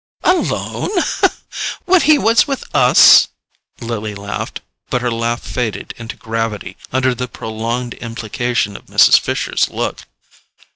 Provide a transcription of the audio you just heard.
"Alone—? When he was with us?" Lily laughed, but her laugh faded into gravity under the prolonged implication of Mrs. Fisher's look.